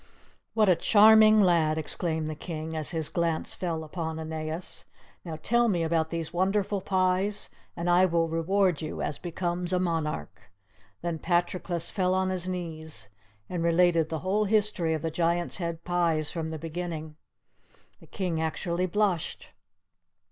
"What a charming lad!" exclaimed the King, as his glance fell upon Aeneas. "Now tell me about these wonderful pies, and I will reward you as becomes a monarch!" Then Patroclus fell on his knees and related the whole history of the Giant's head pies from the beginning. The King actually blushed.